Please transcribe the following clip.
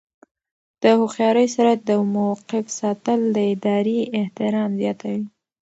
د هوښیارۍ سره د موقف ساتل د ادارې احترام زیاتوي.